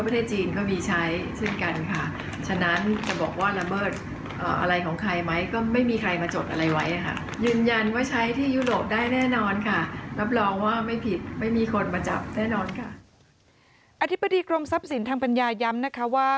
อธิบดีกรมทรัพย์สินทางปัญญาย้ำนะคะว่า